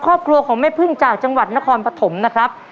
ครอบครัวของแม่พึ่งจากจังหวัดนครปฐมนะครับ